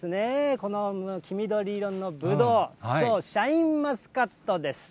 この黄緑色のぶどう、そう、シャインマスカットです。